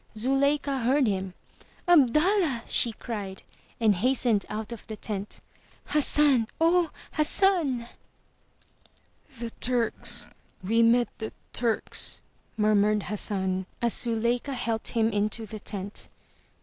Zuleika heard him. ^'Abdallah!'' she cried, and hastened out of the tent. '^Hassan! O, Hassan! The Turks! We met the Turks!*' murmured Has san, as Zuleika helped him into the tent.